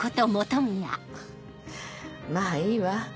フッまぁいいわ。